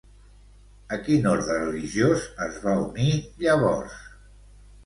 A quin orde religiós es va unir llavors?